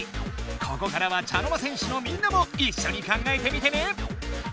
ここからは茶の間戦士のみんなもいっしょに考えてみてね！